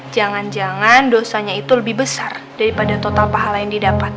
jangan jangan dosanya itu lebih besar daripada total pahala yang didapat